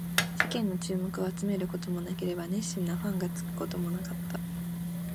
世間の注目を集めることもなければ、熱心なファンがつくこともなかった